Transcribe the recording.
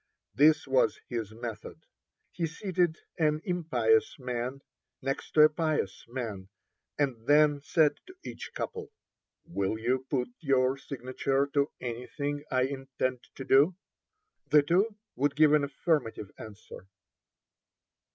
This was his method: He seated an impious man next to a pious man, and then said to each couple: "Will you put your signature to anything I intend to do?" The two would give an affirmative answer.